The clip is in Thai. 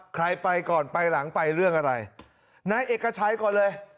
ใครไปก่อนไปหลังไปเรื่องอะไรนายเอกชัยก่อนเลย